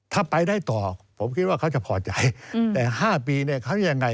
ถ้าไปได้ต่อผมคิดว่าเขาจะพอใจแต่๕ปีเนี่ยเขาจะยังไง